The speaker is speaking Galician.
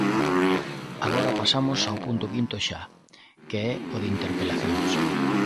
Agora pasamos ao punto quinto xa, que é o de interpelacións.